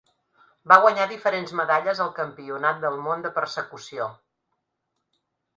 Va guanyar diferents medalles al Campionat del món de persecució.